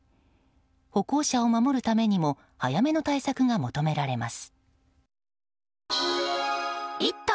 歩行者を守るためにも早めの対策が求められます。